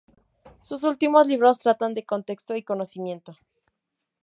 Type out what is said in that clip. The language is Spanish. Sus últimos libros tratan de contexto y conocimiento.